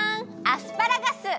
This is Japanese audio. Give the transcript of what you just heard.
アスパラガス！